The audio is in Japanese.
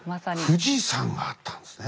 富士山があったんですね。